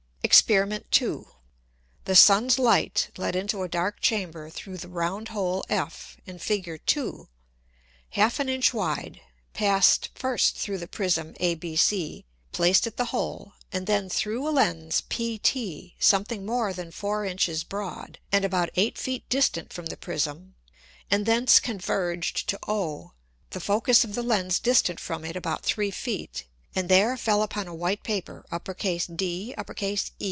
[Illustration: FIG. 1.] Exper. 2. The Sun's Light let into a dark Chamber through the round hole F, [in Fig. 2.] half an Inch wide, passed first through the Prism ABC placed at the hole, and then through a Lens PT something more than four Inches broad, and about eight Feet distant from the Prism, and thence converged to O the Focus of the Lens distant from it about three Feet, and there fell upon a white Paper DE.